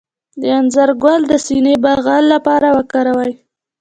د انځر ګل د سینه بغل لپاره وکاروئ